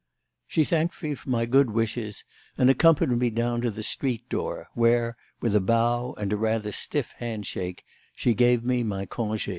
She thanked me for my good wishes and accompanied me down to the street door, where, with a bow and a rather stiff handshake, she gave me my congé.